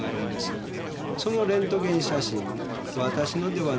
そのレントゲン写真わたしのではないんです。